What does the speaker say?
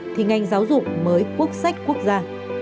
thì ngành giáo dục mới quốc sách quốc gia